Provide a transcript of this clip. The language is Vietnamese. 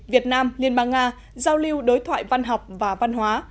việt nam liên bang nga giao lưu đối thoại văn học và văn hóa